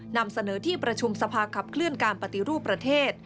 นำเสนอที่ประชุมสภาขับเคลื่อนการปฏิรูปประเทศ